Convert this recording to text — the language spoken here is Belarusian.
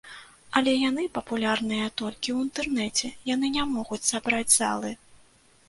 Але яны папулярныя толькі ў інтэрнэце, яны не могуць сабраць залы.